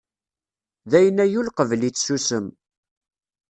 Dayen a yul qbel-itt sussem.